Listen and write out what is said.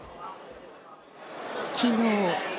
きのう。